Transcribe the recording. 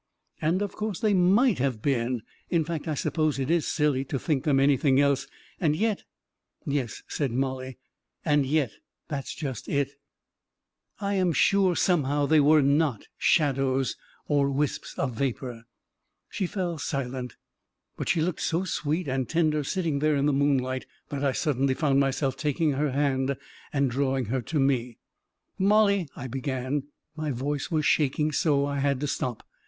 And of course they might have been. In fact, I suppose it is silly to think them any thing else — and yet ..."" Yes," said Mollie, "• and yet '—that's just it! 360 A KING IN BABYLON I am sure, somehow, they were not shadows or wisps of vapor ..." She fell silent, but she looked so sweet and tender sitting there in the moonlight, that I suddenly found myself taking her hand and drawing her to me. " Mollie," I began, but my voice was shaking so I had to stop.